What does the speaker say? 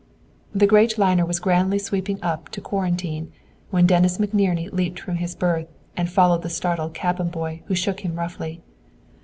The great liner was grandly sweeping up to Quarantine, when Dennis McNerney leaped from his berth and followed the startled cabin boy, who shook him roughly.